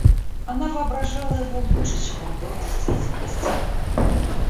Она воображала его лучше, чем он был в действительности.